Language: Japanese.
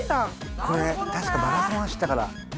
これ確かマラソン走ったから。